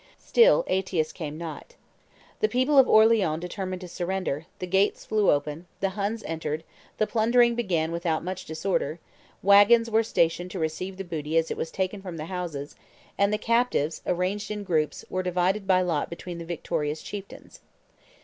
Still Aetius came not. The people of Orleans determined to surrender; the gates flew open; the Huns entered; the plundering began without much disorder; "wagons were stationed to receive the booty as it was taken from the houses, and the captives, arranged in groups, were divided by lot between the victorious chieftains."